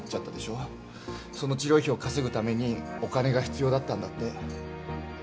その治療費を稼ぐためにお金が必要だったんだって。